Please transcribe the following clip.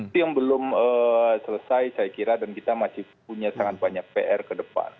itu yang belum selesai saya kira dan kita masih punya sangat banyak pr ke depan